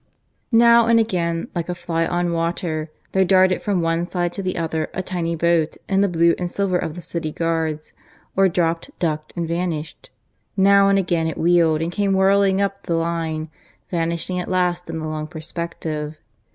Now and again, like a fly on water, there darted from one side to the other a tiny boat, in the blue and silver of the city guards, or dropped, ducked and vanished; now and again it wheeled, and came whirling up the line, vanishing at last in the long perspective.